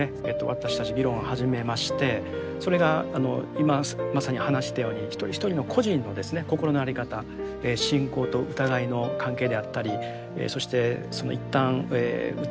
私たち議論を始めましてそれが今まさに話したように一人一人の個人の心の在り方信仰と疑いの関係であったりそして一旦疑いなき道を行った人がですね